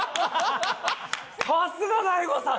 さすが大悟さん！